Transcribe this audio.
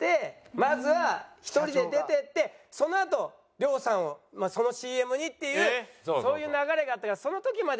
まずは１人で出て行ってそのあと亮さんをそのＣＭにっていうそういう流れがあったからその時まで。